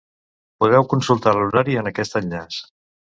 Podeu consultar l'horari en aquest enllaç.